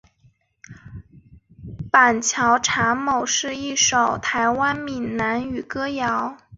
板桥查某是一首台湾闽南语民谣。